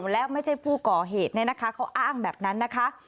และไม่ใช่ผู้ก่อเหตุเนี่ยนะคะเขาอ้างแบบนั้นนะคะ